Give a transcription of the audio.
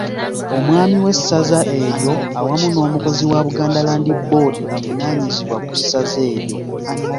Omwami ow'Essaza eryo awamu n'omukozi wa Buganda Land Board avunaanyizibwa ku Ssaza eryo.